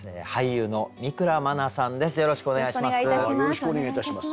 よろしくお願いします。